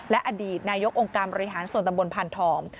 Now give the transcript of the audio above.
และอดีตนายกองค์กรรมริหารส่วนตำรวจพันธ์ธรรม